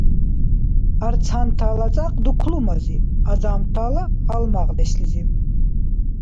Арцантала цӀакь — дуклумазиб, адамтала — гьалмагъдешлизиб.